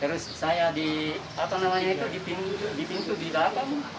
terus saya di apa namanya itu di pintu di dalam